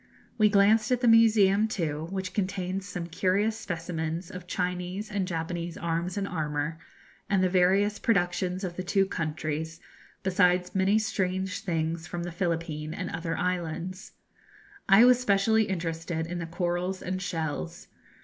We glanced at the museum too, which contains some curious specimens of Chinese and Japanese arms and armour, and the various productions of the two countries, besides many strange things from the Philippine and other islands. I was specially interested in the corals and shells.